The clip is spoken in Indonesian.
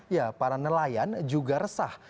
ya para nelayan juga resah